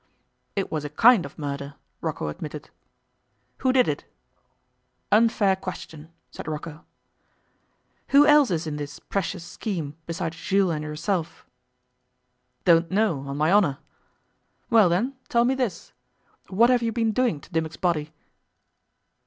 'It was a kind of murder,' Rocco admitted. 'Who did it?' 'Unfair question,' said Rocco. 'Who else is in this precious scheme besides Jules and yourself?' 'Don't know, on my honour.' 'Well, then, tell me this. What have you been doing to Dimmock's body?